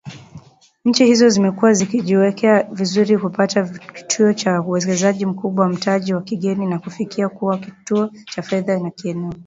Nchi hizo zimekuwa zikijiweka vizuri kupata kivutio cha uwekezaji mkubwa wa mtaji wa kigeni na kufikia kuwa kituo cha fedha cha kieneo